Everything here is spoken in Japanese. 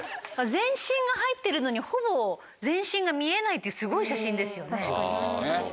全身が入ってるのにほぼ全身が見えないっていうすごい写真ですよね。